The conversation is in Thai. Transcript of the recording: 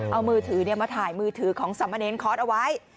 เอามือถือมาถ่ายมือถือของสามเณรคอร์สเอาไว้